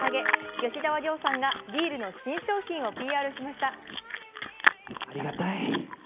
吉沢亮さんがビールの新商品をＰＲしました。